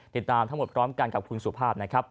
ติดตามทั้งหมดพร้อมกันกับคุณสุภาพนะครับ